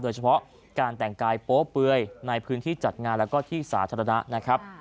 โดยเฉพาะการแต่งกายโป๊เปลือยในพื้นที่จัดงานแล้วก็ที่สาธารณะนะครับ